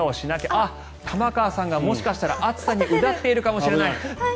あっ、玉川さんがもしかしたら暑さにうだっているかもしれない。